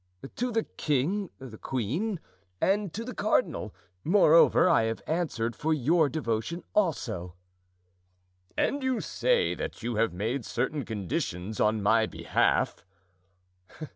"To the king, the queen, and to the cardinal; moreover, I have answered for your devotion also." "And you say that you have made certain conditions on my behalf?"